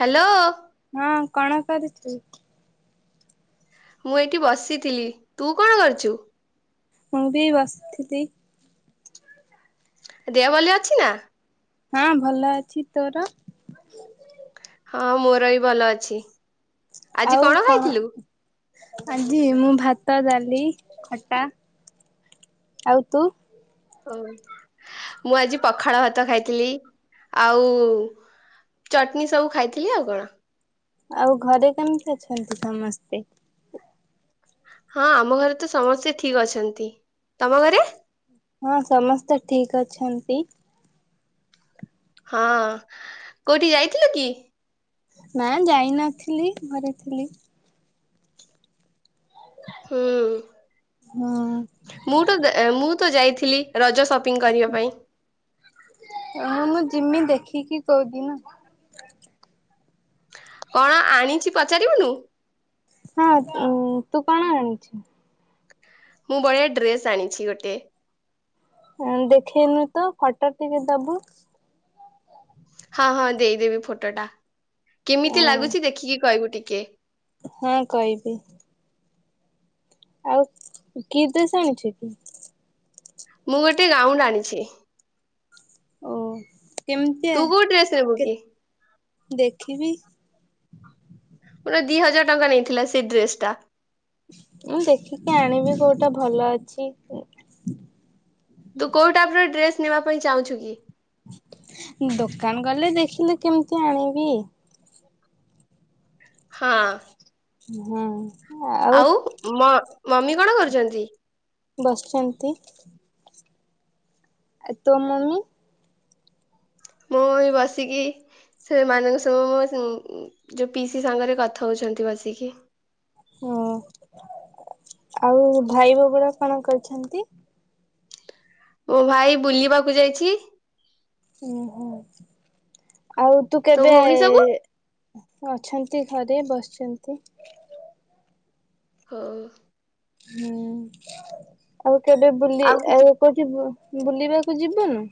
Hello. ହଁ କଣ କରିଚୁ। ମୁଁ ଏଇଠି ବସିଥିଲି ତୁ କଣ କରୁଛୁ। ମୁଁ ବି ବସିଥିଲି। ଦେହ ଭ ଅଛି ନା? ହଁ ଭଲ ଅଛି ତୋର ହଁ ମୋର ବି ଭଲ ଅଛି। ଆଜି ଆଉ କଣ? ଖାଇଥିଲୁ ଆଜି ମୁଁ ଭାତ ଡାଲି ଖଟା ଆଉ ତୁ ଓ ମୁଁ ଆଜି ପଖାଳ ଭାତ ଖାଇଥିଲି ଆଉ ଚଟଣି ସବୁ ଖାଇଥିଲି ଆଉ କଣ ଆଉ ଘରେ କେମିତି ଅଛନ୍ତି ସମସ୍ତେ? ହଁ ଆମ ଘରେ ତ ସମସ୍ତେ ଠିକ ଅଛନ୍ତି ତମ ଘରେ ହଁ ସମସ୍ତେ ଠିକ ଅଛନ୍ତି। ହଁ କୋଉଠି ଯାଇଥିଲେ କି? ନା ଯାଇ ନଥିଲି ଘରେଥିଲି। ହୁଁ ହଁ ମୁଁଟା ମୁଁ ତ ଯାଇଥିଲି। ରଜ ସପିଙ୍ଗ କରିବା ପାଇଁ ଚିମି ଦେଖିକି କହୁଦି ନା। କଣ ଆଣିଛି ପଚାରିବୁନୁ? ହଁ ତୁ କଣ ଆଣିଛୁ। ମୁଁ ବଢିଆ ଡ୍ରେସ୍ ଆଣିଛି ଗୋଟେ। ଦେଖେଇନୁ ତ ଫଟୋ ଟିକେ ଦବୁ। ହଁ ହଁ ଦେଇଦେବି ଫଟୋଟା। କେମିତି ଆଉ ଲାଗୁଛି ଦେଖିକି କହିବୁ ଟିକେ? ଓ କେ। ହଁ କହିବି। ଆଉ କି ଡ୍ରେସ୍ ଆଣିଛୁ? ମୁଁ ଗୋଟେ ଗାଉଣ୍ଡ ଆଣିଛି। ଓ କେମିତି ତୁ କୋଉ ଡ୍ରେସ ନେବୁ କେ କି? ଦେଖିବି। ପୁରା ଦି ହଜାର ଟଙ୍କା ନେଇଥିଲା ସେଇ ଡ୍ରେସ ଟା। ମୁଁ ଦେଖିକି ଆଣିବି କୋଉଠି ଟା ଭଲ ଅଛି। ତୁ କୋଉ ଟାଇପ ର ଡ୍ରେସ ନେବା ପାଇଁ ଚାହୁଁଛୁ କି ଦୋକାନ ଗଲେ ଦେଖିଲେ କେମିତି ଆଣିବି? ହଁ। ହଁ। ଆଉ ମମି କଣ କରୁଛନ୍ତି? ବସିଛନ୍ତି। ଆ ତୋ ମମି? ମୁଁ ବସିକି ସେମାନଙ୍କ ସ ମୋ ଯେଉଁ ପିସି ମାନଙ୍କ ସାଙ୍ଗରେ କଥା ହେଉଛନ୍ତି ବସିକି ହଁ ଆଉ ଭାଇ ଭିଉନି କଣ କରିଛନ୍ତି।। ମୋ ଭାଇ ବୁଲିବାକୁ ଯାଇଛି।। ଓ ହୋ ଆଉ ତୁ ତୋ କେବେ ଭଉଣୀ ସବୁ ଅଛନ୍ତି ଘରେ ବସିଛନ୍ତି।। ହଁ।। ହୁଁ ଆଉ କେବେ ବୁଲି ଆଉ କହୁଛି ବୁଲିବାକୁ ଯିବନୁ।।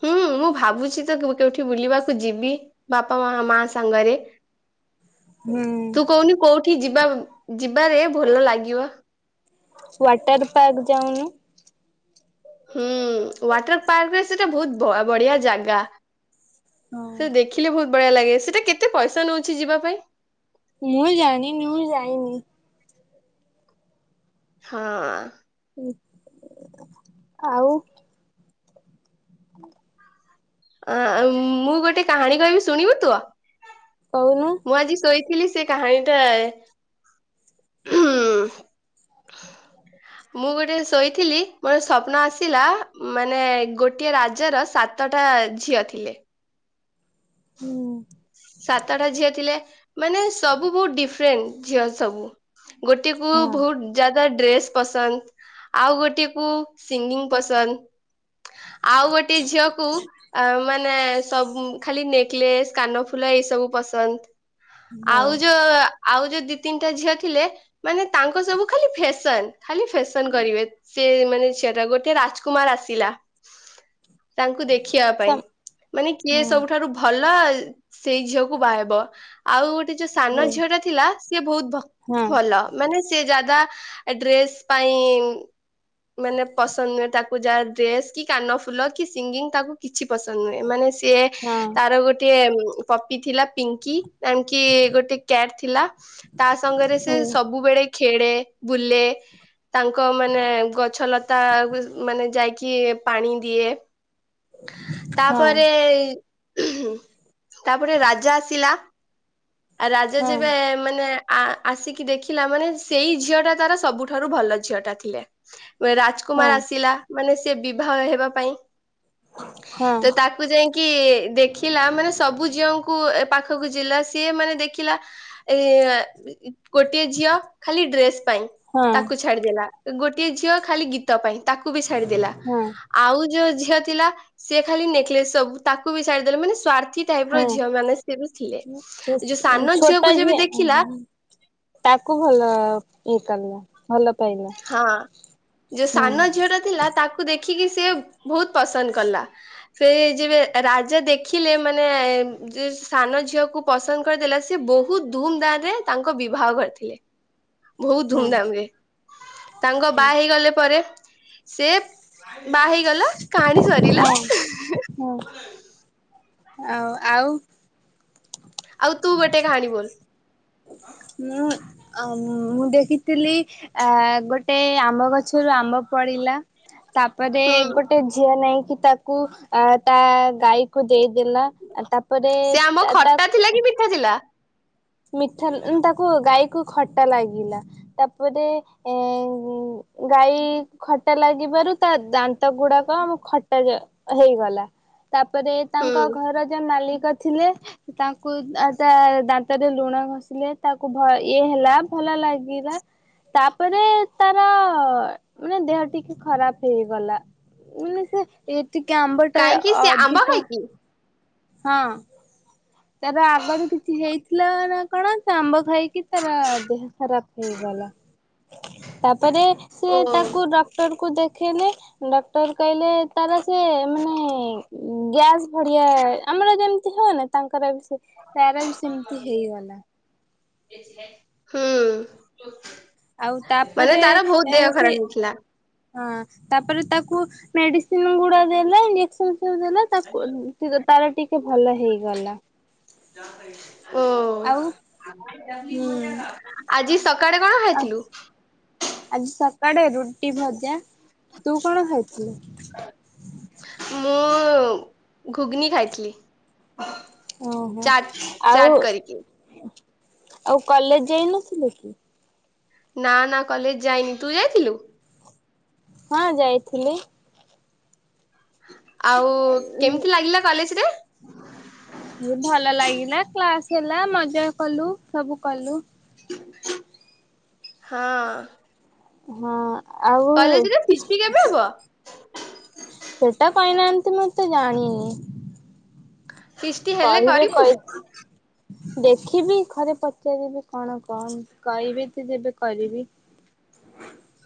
ହୁଁ ମୁଁ ଭାବୁଛି ତ କୋଉଉଠି ବୁଲିବାକୁ ଯିବି ବାପା ମା ମା ସାଙ୍ଗରେ।। ହୁଁ। ତୁ କହୁନୁ କୋଉଠି ଯିବା ଯିବାରେ ଭଲ ଲାଗିବ।। ୱାଟର ପାର୍କ ଯାଉନୁ। ହୁଁ ୱାଟର ପାର୍କରେ ସେଟା ବହୁତ ବଢିଆ ଜାଗା ହଁ। ସେ ଦେଖିଲେ ବହୁତ ଭଳିଆ ଲାଗେ ସେଟା କେତେ ପଇସା ନଉଛି ଯିବା ପାଇଁ ମୁଁ ଜାଣିନି ମୁଁ ଯାଇିନି ହଁ।। ଆଉ ଆଁ ଆଁ ମୁଁ ଗୋଟେ କାହାଣୀ କହିବି ଶୁଣିବୁ ତ୍ୱ? କହୁନୁ ମୁଁ ଆଜି ଶୋଇଥିଲି ସେ କାହାଣୀଟା ହୁଁ ଶୋଇଥିଲି ମୋର ସ୍ୱପ୍ନ ଆସିଲା ମାନେ ଗୋଟିଏ ରାଜ ର ସାତଟା ଝିଅ ଥିଲେ। ହୁଁ ସାତଟା ଝିଅ ଥିଲେ ମାନେ ସବୁ ବହୁତ ଡିଫରେଣ୍ଟ ଝିଅ ସବୁ। ଗୋଟିଏ କୁ ହଁ ବହୁତ ଯା ଡ୍ରେସ ପସନ୍ଦ ଆଉ ଗୋଟେ କୁ ସିଙ୍ଗିଙ୍ଗ ପସନ୍ଦ ଆଉ ଗୋଟେ ଝିଅକୁ ଅ ମାନେ ସବୁ ଖାଲି ନେ କ୍ଳେସ କାନଫୁ ଫୁଲ ଏଇ ସବୁ ପସନ୍ଦ ହଉ ଆଉ ଯୋଉ ଆ ଆଉ ଯୋଉ ଦି ତିନିଟା ଝିଅ ଥିଲେ ମାନେ ତାଙ୍କ ସବୁ ଖାଲି ଫେସନ ଖାଲି ଫେସନ କରିବେ। ସେ ମାନେ ଝିଅ ଟା ଗୋଟେ ରାଜକୁମାର ଆସିଲା। ତାଙ୍କୁ ଦେଖିବା ପାଇଁ ସମ୍ ମାନେ କିଏ ହଁ ସବୁଠାରୁ ଭଲ [inaudible] ସେଇ ଝିଅକୁ ବାହାହେବ ଆଉ ଯୋଉ ସାନ ଝିଅ ଟା ଥିଲା ସିଏ ବହୁତ ଭ ହଉ ଭଲ ମାନେ ସି ଯାଦା ଡ୍ରେସ୍ ପାଇଁ ମାନେ ପସନ୍ଦ ନୁହେଁ ତାକୁ ଯାହା ଡ୍ରେସ କି କାନ ଫୁଲ କି ସିଙ୍ଗିଙ୍ଗ ତାକୁ କିଛି କିଛି ପସନ୍ଦ ନୁହେଁ ମାନେ ସିଏ ହଁ ତାର ଗୋଟାଏ ପପି ଥିଲା ପିଙ୍କି ତାଙ୍କଗୋଟେ କ୍ୟାଟ ଥିଲା ତାସଙ୍ଗରେ ସେ ହଁ ସବୁବେଳେ ଖେଳେ ବୁଲେ ତାଙ୍କ ମାନେ ଗଛ ଲତା ମାନେ ଯାଇକି ପାଣି ଦିଏ। ହଉ ତାପରେ ତାପରେ ରାଜା ଆସିଲା। ଆ ରାଜା ହଁ ଯବେ ମାନେ ଆ ଆସିକି ଦେଖିଲା ମାନେ ସେଇ ଝିଅ ଟା ତାର ସବୁଠାରୁ ଭଲ ଝିଅ ଟା ଥିଲେ। ହଁ ରାଜକୁମାର ଆସିଲା। ମାନେ ସେ ବିବାହ ହେବା ପାଇଁ ହଁ ତ ତାକୁ ଯାଇକି ଦେଖିଲା ମାନେ ସବୁ ଝିଅଙ୍କୁ ଏ ପାଖକୁ ଯିଲା ସିଏ ମାନେ ଦେଖିଲା ଏ ଗୋଟିଏ ଝିଅ ଖାଲି ଡ୍ରେସ୍ ପାଇଁ ହଁ ତାକୁ ଛାଡିଦେଲା ଗୋ ଗୋଟିଏ ଝିଅ ଖାଲି ଗୀତ ପାଇଁ ତାକୁ ବେଶି ଛାଡିଦଲା ହଁ ଆଉ ଯୋଉ ଥିଲା। ସେ ଖାଲି ନେକଲେସ ସବୁ ତାକୁ ବି ସାରିଦେଲେ ମାନେ ସଵାର୍ଥ ହୁଁ ଯୋଉ ସାନ ଛୋଟ ଝିଅକୁ ଯେବେ ଯଝିଏ ଦେଖିଲା ତାକୁ ଭଲ ଇଏ କ ହଁ ଯୋଉ ହୁଁ ସାନ ଝିଅର ଥିଲା ତାକୁ ଦେଖି ଦେଖିକି ସି ବହୁତ ପସନ୍ଦ କଲା ସେ ଯେବେ ରାଜା ଦେଖିଲେ ମାନେ ସାନ ଝିଅକୁ ପସନ୍ଦ କରିଦେଲା ସେ ବହୁତ ଧୁମଧାମ ରେ ତାଙ୍କ ବିବାହ କରିଥିଲେ। ବହୁତ ହଁ ଧୁମଧାମ ତାଙ୍କ ବା ହେଇଗଲେ ପରେ ସେ ବାହା ହେଇଗଲା କାହାଣୀ ସରିଲା। ହଁ ହଁ ଆଉ ଆଉ ଆଉ ତୁ ଗୋଟେ କାହାଣୀ ବୋଲ଼ ମୁଁ ମୁଁ ଦେଖିଥିଲି। ଆ ଗୋଟେ ଆମ୍ବ ଗଛରୁ ଆମ୍ବ ପଡିଲା। ତାପରେ ହୁଁ ଗୋଟେ ଝିଅ ନାଇଁ। କି ତାକୁ ତା ଗାଈକୁ ଦେଇଦେଲା। ତାପରେ ସେ ଆମ୍ୱ ତା ଖଟା ଥିଲା କି ମିଠା ଥିଲା। ମିଠା ଲା ତାକୁ ଗାଇ। କୁ ଖଟା ଲାଗିଲା ତାପରେ ଏଁ ଗାଈ ଖଟା ଲାଗିବାରୁ ତା ଦାନ୍ତ ଗୁଡାକ ଆମ ଖଟା ଇଏ ହେଇଗଲା। ତାପରେ ହୁଁ ତାଙ୍କ ଘର ଯୋଉ ମାଲିକ ଥିଲେ। ତାଙ୍କୁ ଆ ତା ଦାନ୍। ତା ଧିଏରେ ଲୁଣ ଘଷିଲେ ତାକୁ ଭ ଇଏ ହେଲା ଭଲ ଲାଗିଲା ତାପରେ ତାର ମାନେ ଦେହ ଟିକେ ଖରାପ ହେଇଗଲା ମାନେ ସେ ଏ। ଟିକେ ଆମ୍ବ ଟା କାହିଁକି ସେ ଆମ୍ବ ଅଧିକା। ଖାଇକି ହଁ। ତାର ଆଗରୁ କିଛି ହେଇ ଥି। ଥିଲା ନାକଣ ସେ ଆମ୍ବ ଖାଇ। କି ତାର ଦେହ ଖରାପ ହେଇଗଲା ତାପରେ ଓ ସିଏ ତାକୁ ଡକ୍ଟର କୁ ଦେଖ। ଦେଖେଇଲେ ଡ଼କ୍ଟର କଇଲେ। ତାର ସେ ମାନେ। ଉଁ ଗ୍ୟାସ। ଭଢିଆ ଆମର ଯେମ ତୀ ହଏନା। କରା ଭିସେ ତାର ବି ସେମିତି ହେଇଗଲା। ଆଉ [unintelligible] ମାନେ ତାପରେ ତାର ବହୁତ ଏ ଦେହ ସେ ଖରାପ ହେଇଥିଲା। ହଁ ତାପରେ ତାକୁ ମେଡିସିନ ଗୁଡା ଦେଲା ଇଞ୍ଜେକ୍ସନ। ଦେଲେ ତାକୁ ତ ତାର ଟିକେ ଭଲ ହେଇଗଲା। ଓ ଆଉ ହୁଁ ଆଜି ସକାଳେ କଣ ଖାଇଥିଲୁ। ଆଜି ସକାଳେ ରୁଟ ରୁଟି ଭଜା ତୁ କଣ ଖାଇଥିଲୁ? ମୁଁ ଘୁଗ୍ନୀ ଖାଇଥିଲି। ଓହୋ ଚାଟ୍ ଆଉ। ଚାଟ୍ କରିକି। ଆଉ କଲେଜ ଯାଇନଥିଲୁ କି? ନା ନା କଲେଜ ଯାଇନି ତୁ ଯାଇଥିଲୁ। ହଁ ଯାଇଥିଲି। ଆଉ କେମିତି ଲାଗିଲା କଲେଜ ରେ। [unintelligible] ଭଲ ଲାଗିଲା କ୍ଲାସ ହେଲା ମଜା କଲୁ ସବୁ କଲୁ। ହଁ। ହଁ ଆଉ କଲେଜରେ ଫିଷ୍ଟି କେବେ ହବ? [unintelligible] ସେଟା କହିନାହାନ୍ତି ମୁତ ଜାଣିନି? ଫିଷ୍ଟି ହେଲେ କହିବେ କରିବୁ? କହି ଦେଖିବି ଘରେ ପଚାରିବି କଣ କଣ କହିବି? ଯେବେ କରିବି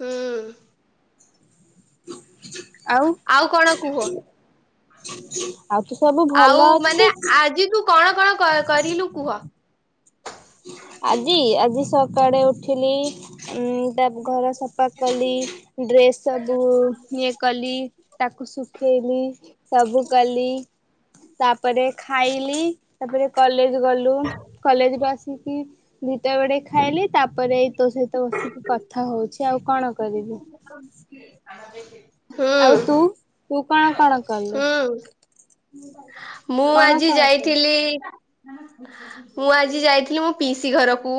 ହୁଁ। ଆଉ କଣ କୁହ? [inaudible] ଆଉ ତ ସବୁ ଆଉ ଭଲ ମାନେ ଅଛି ଆଜି ତୁ କଣ କଣ କରିଲୁ କୁହ? ଆଜି ଆଜି ସକାଳେ ଉଠିଲି ଉ ତା ଘର ସଫା କଲି ଡ୍ରେସ୍ ସବୁ ଇଏ କଲି ତାକୁ ଶୁଖି ଛବିଶ ସବୁ କାଲି ତା ପରେ ଖାଇଲି। ତାପରେ କଲେଜ ଗଲୁ କଲେଜ ବସ। ଦୁଟା ବଡେ ଖାଇଲି ତାପରେ ତୋ ସହିତ ବସିକି କଥା ହଉଛି ଆଉ କଣ କରିବି। ଆଉ ହୁଁ ତୁୁ କଣ କଣ କଲୁ? ହୁଁ ମୁଁ କଣ ଆଜି କଣ କଲୁ ଯାଇଥିଲି। ମୁଁ ଆଜି ଯାଇଥିଲି ମୋ ପିଇସି ଘରକୁ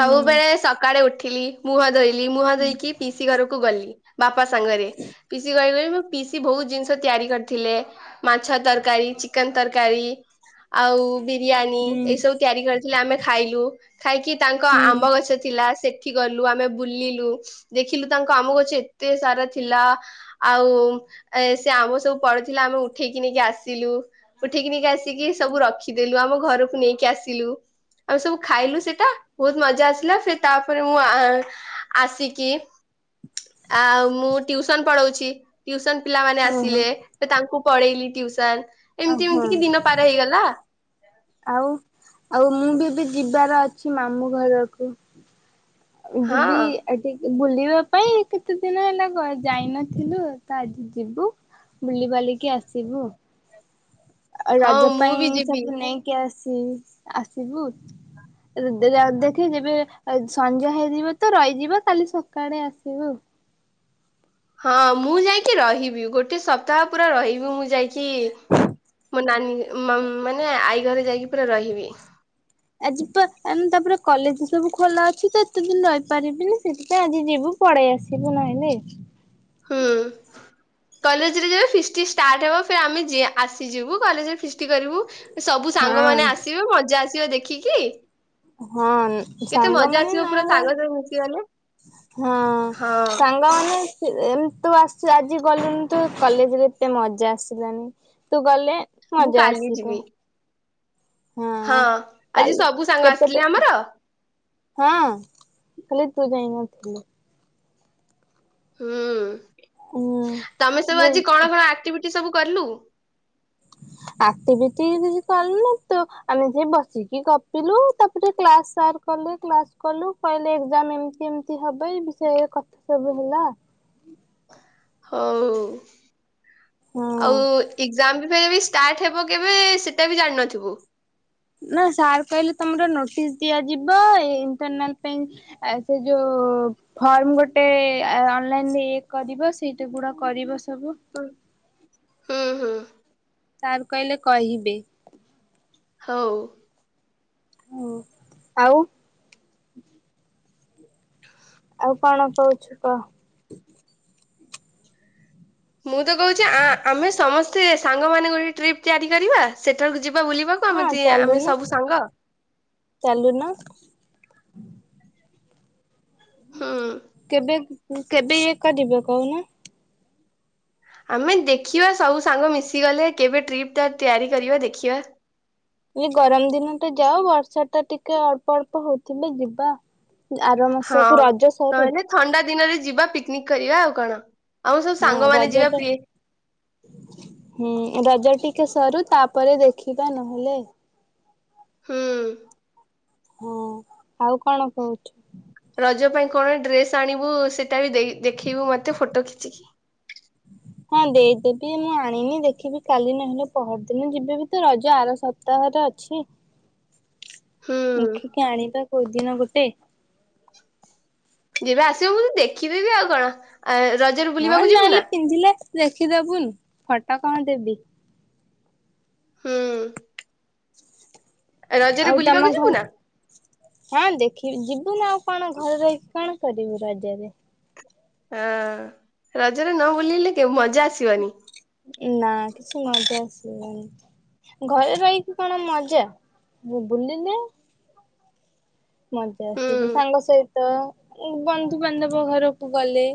ହୁଁ। ସକାଳେ ଉଠ ମୁହ ଧୋଇିଲ ମୁହାଁ ଦେଇକି ପିସି କ ଗଲି ବାପା ସାଙ୍ଗରେ ପିସି କହଗଲେ ପି ବହୁତ ଜିନିଷ ତିଆରି କରିଥିଲେ ମାଛ ତରକାରୀ ଚିକେନ ତରକାରୀ ଆଉ ବିରିୟାନୀ ହୁଁ ଏଇ ସବୁ ତିଆରି କରିଥିଲେ ଆମେ ଖାଇଲୁ। ଖାଇକି ତାଙ୍କ ହୁଁ ଆମ୍ବ ଗଛ ଥିଲା ସେ ଏଠି ଗଲୁ ଆମେ ବୁଲିଲୁ ଦେଖିଲୁ ତାଙ୍କ ଆମ ଗଛ ଏତେ ସାରା ଥିଲା ଆଉ ଏ ସେ ଆମ୍ବ ସବୁ ପଡିଥିଲା ଆମେ ଉଠେଇକି ନେଇକି ଆସିଲୁ ଉଠେଇକି ନେଇକି ଆସିକି ସବୁ ରଖିଦେଲୁ ଆମ ଘରକୁ ନେଇକି ଆସିଲୁ ଆମେ ସବୁ ଖାଇଲୁ ସେଟା ବହୁତ ମଜା ଆସିଲା ସେ ତାପରେ ମୁଁ ଆସିକି ଆଉ ମୁଁ ଟ୍ୟୁସନ ପଢଉଛି। ଟି ଟ୍ୟୁସନ୍ ପିଲାମାନେ ଓହୋ ଆସିଲେ ବେ ତାଙ୍କୁ ପଳେଇଲି ଟ୍ୟୁସନ। ଆଉହଁ ଆଉ ଆଉ ମୁଁ ବି ଏବେ ଯିବାର ଅଛି ମାମୁଁ ଘରକୁ ହଁ ଯିବି ଏଠିକି ବୁଲିବା ପାଇଁ କେତେ ଦିନ ହେଲା ଯାଇନଥିଲୁ ତ ଆଜି ଯିବୁ ବୁଲିିବାଲିକି ଆସିବୁ। ଆଉ ହଁ ରଜ ମୁଁ ପାଇଁ ବି ଯିବି ସବୁ ନେଇକି ଆସ ଆସିବୁ ଦେଖେ ଯେବେ ସଞ୍ଜ ହେଇଯିବ ତ ରହିଯିବ କାଲି ସକାଡେ ଆସିବୁ ଆଉ। ହଁ ମୁଁ ଯାଇକି ରହିବି ଗୋଟେ ସପ୍ତାହ ପୁରା ରହିବି ମୁଁ ଯାଇକି କି ମୋ ନାନୀ ମାନେ ଆଈ ଘରେ ଯାଇକି ପୁରା ରହିବି। ଆଜି ପା ତାପରେ କଲେଜ ସବୁ ଖୋଲା ଅଛି ତ ଏତେ ଦିନ ରହିପାରିବିନି ସେଥିପାଇଁ ଆଜି ଯିବୁ ପଳେଇ ଆସିବୁ ନହଲେ। ହୁଁ। କଲେଜରେ ଫିଷ୍ଟି ଷ୍ଟାର୍ଟ ହବ ଫିର୍ ଆମେ ଯି ଆସିଯିବୁ କଲେରେ ଫିଷ୍ଟୀ କରିବୁ। ସବୁ ହଁ ସାଙ୍ଗମାନେ ଆସିବେ ମଜା ଆସି ଆସିବ ଦେଖିକି ହଁ କେତେ ମଜା ସାଙ୍ଗମାନେ ଆସିବ ନ ପୁରା ହଉ ସାଙ୍ଗ ସାଥି ମିଶିଗଲେ ହଁ ହଁ ସାଙ୍ଗମାନେ ଏ ତୁ ଆସି ଆଜି ଗଲୁନି ତୁ କଲେଜରେ ଏତେ ମଜା ଆସିଲାନି ତୁ ଗଲେ ମୁଁ ମଜା କାଲି ଆସିବ। ଯିବି ହଁ ଆଜି କାଲି ସବୁ ସାଙ୍ଗ କେତେଟା ଆସିଥିଲେ ଆମର ହଁ ଖାଲି ତୁ ଯାଇ ନଥିଲୁ ହୁଁ। ତମେ ସବୁ ଆଜି କଣ ହୁଁ। କଣ ଆକ୍ଟିଭି ସବୁ କଲୁ। କି ଅଟି ଭିଟି ସକଲୁ ନା ତ ଆମେ ସେ ବସିକି ଗପିଲୁ ତାପରେ କ୍ଲାସ କଲେ କ୍ କଲୁ କହିଲେ ଏ ଏମତି ଏମ ହବ ଏ ବିଷୟରେ କଥା ସବୁ ହେଲା। ହଉ। ଆଉ ହଁ। ଏକ୍ସାମ୍ ବି ଫିରବି ଷ୍ଟାର୍ଟ ହେବ କେବେ ସେଟା ବି ଜାଣିନଥିବୁ। ନା ସାର୍ କହିଲେ ତମର ନୋଟିସ୍ ଦିଆଯିବ, ଇଣ୍ଟରନାଲ୍ ପାଇଁ ସେ ଯୋଉ ଫର୍ମ ଗୋଟେ ଅନଲାଇନରେ ଏ କରିବ ସେଇଟା ଗୁଡା କରିବ ସ ସବୁ। ହୁଁ ହୁଁ ହୁଁ। ସାର୍ କହିଲେ କହିବେ। ହଉ। ହୁଁ ଆଉ ଆଉ କଣ କହୁଛୁ କହ? ମୁଁ ତ କହୁଛି ଆଁ ଆମେ ସମସ୍ତେ ସାଙ୍ଗମାନେ ଗୋଟେ ଟ୍ରିପ୍ ତିଆରି କରିବା ସେଠାକୁ ଯି ହଁ ଚାଲୁନ, ଚାଲୁନ। ହୁଁ [inaudible] କେବେ ଇଏ କରିବେ କହୁନ? ଆମେ ଦେଖିବା ସବୁ ସାଙ୍ଗ ମିଶିଗଲେ କେବେ ଟ୍ରିପଟା ତିଆରି କରିବା ଦେଖିବା। ଏ ଗରମ ଦିନଟା ଯାଉ ବର୍ଷାଟା ଟିକେ ଅଳ୍ପ ଅଳ୍ପ ହଉଥିଲେ ଯିବା। ଆର ହଁ ମାସକୁୁ ରଜ ସରୁ। ନହେଲେ ଥଣ୍ଡା ଦିନରେ ଯିବା ପିକନିକ୍ କରିବା ଆଉ କଣ। ଆମ ସବୁ ହୁଁ ସାଙ୍ଗମାନେ ଯିବା ରଜଟେ, ପ୍ରି ହୁଁ ରଜଟି। [inaudible] ସରୁ ତାପରେ ଦେଖିବା ନହେଲେ ହୁଁ ହଁ ଆଉ କଣ କହୁଛୁ? ରଜ ପାଇଁ କଣ ଡ୍ରେସ୍ ଆଣିବୁ ସି ସେଟାବି ଦେଇ ଦେଖେଇବୁ ମତେ ଫୋଟୋ ଖିଚିକି ହଁ ଦେଇଦେବି ମୁଁ ଆଣିନି ଦେଖିବି କାଲି ନହେଲେ ପହରଦିନ ଯିବି ବି ତ ରଜ ଆର ସପ୍ତାହରେ ଅଛି। ହୁଁ ଦେଖିକି ଆଣିବା। କୋଉଦିନ ଗୋଟେ। ଯେବେ ଆସିବୁ ମୁଁ ଦେଖିଦେବି ଆଉ କଣ। ଆ ରଜରେ ହଁ ବୁଲିବାକୁ ଯିବୁ ନା? ନଲେ ପିନ୍ଧିଲେ। ଦେଖିଦବୁନି ଫଟୋ କଣ ଦେବି। ହୁଁଉଉ ଆଉ ତମ ଯିବୁ ଘର, ନା ହଁ ଦେଖି। [inaudible] ଯିବୁ ନା। [inaudible] କଣ ଘରେ ରହିକି କଣ? କରିିବୁ ରଜରେ। ହଁଅଅ ରଜରେ ନ ବୁଲିଲେ କେ ମଜା ଆସିବନି। ଉଁ ଘରେ ରହିକି କଣ ମଜା, ମୁଁ ବୁଲିଲେ ମଜା ହୁଁ। ଆସିବ ସାଙ୍ଗ ସହିତ, ବନ୍ଧୁବାନ୍ଧବ ଘରକୁ ଗଲେ